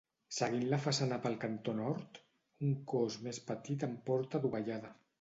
Seguint la façana pel cantó nord, un cos més petit amb porta adovellada.